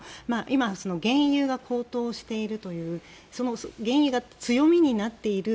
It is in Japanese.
今、原油が高騰しているという原油が強みになっている